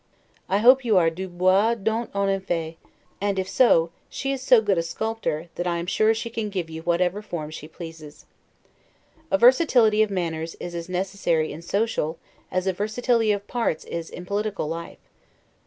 I hope you are 'dubois don't on en fait'; and if so, she is so good a sculptor, that I am sure she can give you whatever form she pleases. A versatility of manners is as necessary in social, as a versatility of parts is in political life.